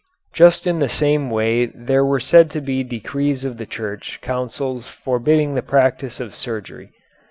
Just in the same way there were said to be decrees of the Church councils forbidding the practice of surgery.